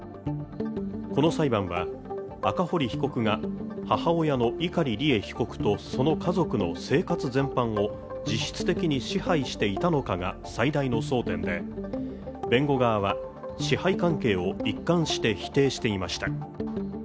この裁判は、赤堀被告が母親の碇利恵被告とその家族の生活全般を実質的に支配していたのかが最大の争点で弁護側は、支配関係を一貫して否定していました。